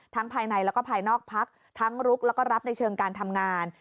ภายในแล้วก็ภายนอกพักทั้งลุกแล้วก็รับในเชิงการทำงาน